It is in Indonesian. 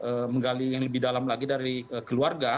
dugaan dari pihak menggali yang lebih dalam lagi dari keluarga